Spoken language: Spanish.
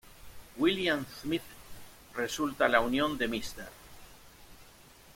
William Smith resulta la unión de Mr.